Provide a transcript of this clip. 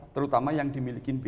terutama yang dimiliki bri